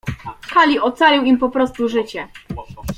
Kali ocalił im poprostu życie.